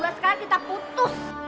gak sekalian kita putus